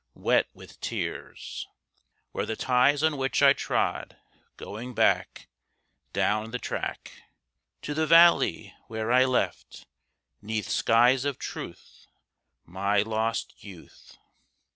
Wet with tears Were the ties on which I trod, going back Down the track To the valley where I left, 'neath skies of Truth, My lost youth.